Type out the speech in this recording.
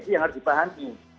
itu yang harus dipahami